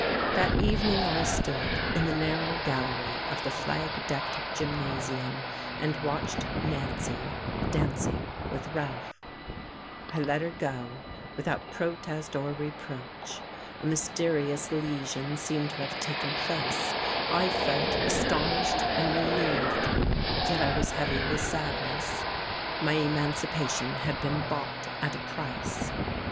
That evening I stood in the narrow gallery of the flag decked gymnasium and watched Nancy dancing with Ralph. I let her go without protest or reproach. A mysterious lesion seemed to have taken place, I felt astonished and relieved, yet I was heavy with sadness. My emancipation had been bought at a price.